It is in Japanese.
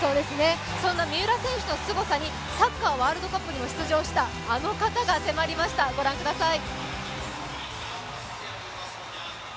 そんな三浦選手のすごさにサッカーワールドカップにも出場したあの方が迫りました、ご覧ください